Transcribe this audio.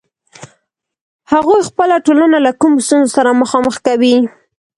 هغوی خپله ټولنه له کومو ستونزو سره مخامخ کوي.